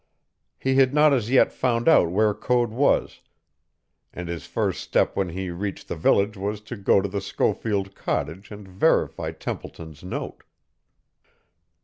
He had not as yet found out where Code was, and his first step when he reached the village was to go to the Schofield cottage and verify Templeton's note.